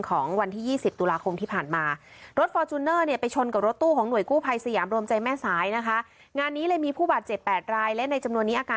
ของวันที่๒๐ตุลาคมที่ผ่านมา